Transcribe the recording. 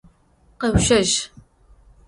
Kheuşej!